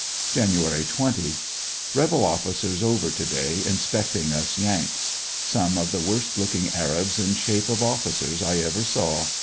Jan. 20. — Rebel officers over to day inspecting us Yanks. Some of the worst looking Arabs in shape of officers I ever saw.